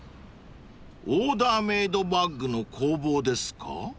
［オーダーメードバッグの工房ですか？］